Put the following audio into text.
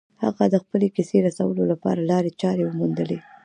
هغه د خپلې کیسې رسولو لپاره لارې چارې وموندلې